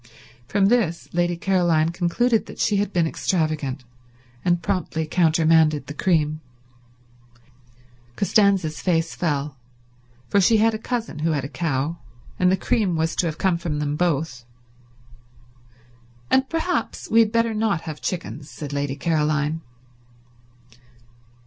From this Lady Caroline concluded that she had been extravagant, and promptly countermanded the cream. Costanza's face fell, for she had a cousin who had a cow, and the cream was to have come from them both. "And perhaps we had better not have chickens," said Lady Caroline.